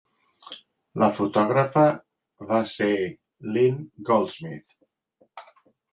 La fotògrafa va ser Lynn Goldsmith.